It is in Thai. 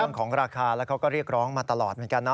เรื่องของราคาแล้วเขาก็เรียกร้องมาตลอดเหมือนกันนะ